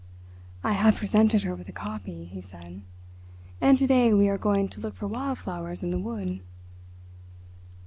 "I have presented her with a copy," he said. "And to day we are going to look for wild flowers in the wood."